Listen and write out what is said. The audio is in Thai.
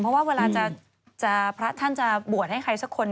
เพราะว่าเวลาพระท่านจะบวชให้ใครสักคน